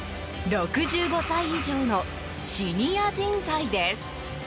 ６５歳以上のシニア人材です。